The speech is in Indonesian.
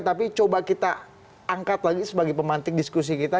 tapi coba kita angkat lagi sebagai pemantik diskusi kita